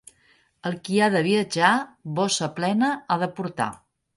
El qui ha de viatjar bossa plena ha de portar.